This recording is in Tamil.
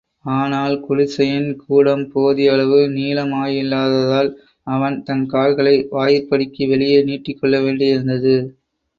ஆனால், குடிசையின் கூடம் போதிய அளவு நீளமாயில்லாததால், அவன் தன் கால்களை வாயிற்படிக்கு வெளியே நீட்டிக்கொள்ள வேண்டியிருந்தது.